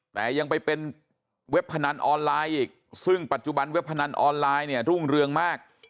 แต่ยังไปเป็นเว็บพนันออนไลน์อีกซึ่งปัจจุบันเว็บพนันออนไลน์เนี่ยรุ่งเรืองมาก